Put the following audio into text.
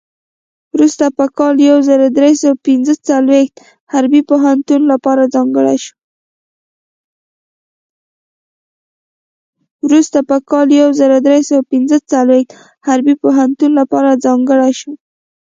وروسته په کال یو زر درې سوه پنځه څلوېښت حربي پوهنتون لپاره ځانګړی شو.